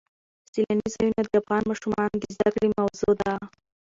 سیلانی ځایونه د افغان ماشومانو د زده کړې موضوع ده.